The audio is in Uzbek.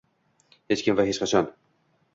Hech kim va hech qachon